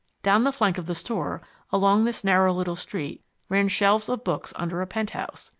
Down the flank of the store, along this narrow little street, run shelves of books under a penthouse.